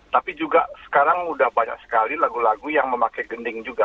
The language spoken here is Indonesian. tapi juga sekarang udah banyak sekali lagu lagu yang memakai gending juga